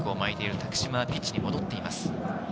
多久島はピッチに戻っています。